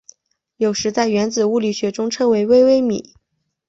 有时在原子物理学中称为微微米。